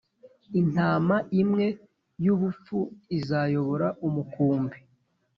intama imwe yubupfu izayobora umukumbi